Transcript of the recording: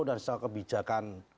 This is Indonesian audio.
dan secara kebijakan